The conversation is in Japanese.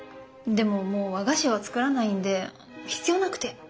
でももう和菓子は作らないんで必要なくて。